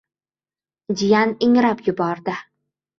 Jiyan ingrab yubordi.